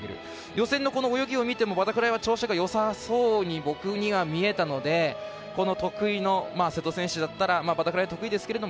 予選の泳ぎを見てもバタフライは調子がよさそうに僕には見えたので得意の、瀬戸選手だったらバタフライが得意ですけど